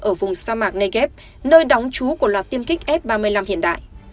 ở vùng sa mạc negev nơi đóng chú của loạt tiêm kích f ba mươi năm hiện đại